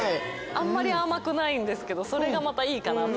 あんまり甘くないんですけどそれがまたいいかなと。